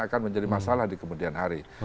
akan menjadi masalah di kemudian hari